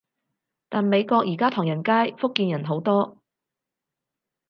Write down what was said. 但美國而家唐人街，福建人好多